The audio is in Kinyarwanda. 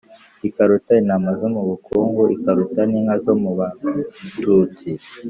Ikaruta intama zo mu bakungu Ikaruta n'inka zo mu Batutsi,